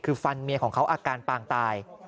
คือฟันเมียของเขาอาการปางตาย